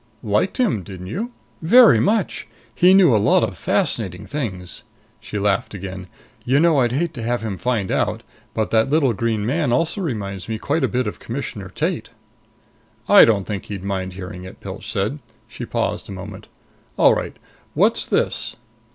"Liked him, didn't you?" "Very much! He knew a lot of fascinating things." She laughed again. "You know, I'd hate to have him find out but that little green man also reminds me quite a bit of Commissioner Tate." "I don't think he'd mind hearing it," Pilch said. She paused a moment. "All right what's this?"